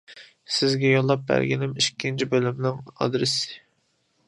سىزگە يوللاپ بەرگىنىم ئىككىنچى بۆلۈمىنىڭ ئادرېسى.